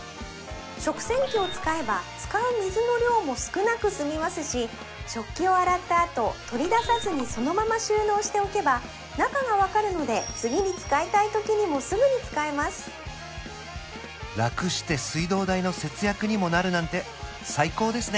食洗機を使えば使う水の量も少なく済みますし食器を洗ったあと取り出さずにそのまま収納しておけば中が分かるので次に使いたいときにもすぐに使えます楽して水道代の節約にもなるなんて最高ですね